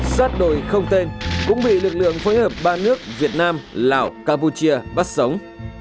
sát đội không tên cũng bị lực lượng phối hợp ba nước việt nam lào campuchia bắt sống